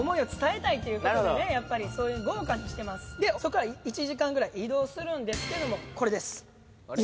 そこから１時間ぐらい移動するんですけどもこれです。